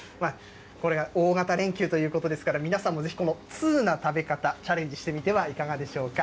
これから大型連休ということですから、皆さんもぜひこの通な食べ方、チャレンジしてみてはいかがでしょうか。